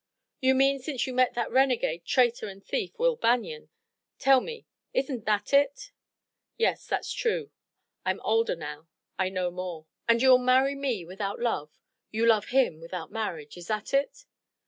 "You mean since you met that renegade, traitor and thief, Will Banion! Tell me, isn't that it?" "Yes, that's true. I'm older now. I know more." "And you'll marry me without love. You love him without marriage? Is that it?"